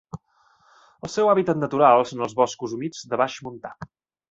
El seu hàbitat natural són els boscos humits de baix montà.